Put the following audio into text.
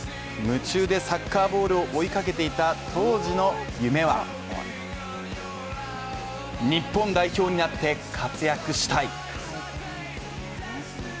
夢中でサッカーボールを追いかけていた当時の夢は、日本代表になって活躍したい。